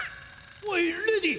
おいレディー！